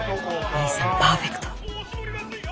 リーさんパーフェクト。